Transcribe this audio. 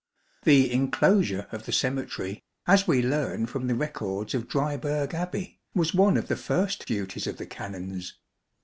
The enclosure of the Cemetery, as we learn from the records of Dry burgh Abbey, was one of the first duties of the Canons.